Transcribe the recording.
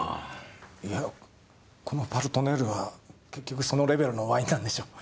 いやこの「パルトネール」は結局そのレベルのワインなんでしょう。